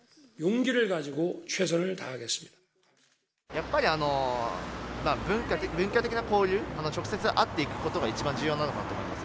やっぱり文化的な交流、直接会っていくことが一番重要なのかと思います。